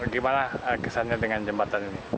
gimana kesannya dengan jembatan ini